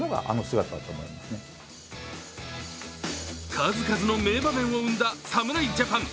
数々の名場面を生んだ侍ジャパン。